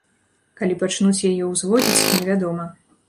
Калі пачнуць яе ўзводзіць, невядома.